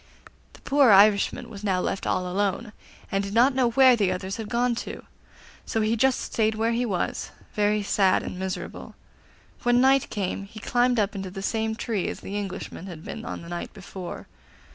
The poor Irishman was now left all alone, and did not know where the others had gone to, so he just stayed where he was, very sad and miserable. When night came he climbed up into the same tree as the Englishman had been on the night before.